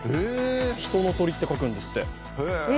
人の鳥って書くんですって。